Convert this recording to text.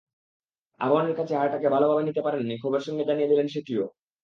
আবাহনীর কাছে হারটাকে ভালোভাবে নিতে পারেননি, ক্ষোভের সঙ্গে জানিয়ে দিলেন সেটিও।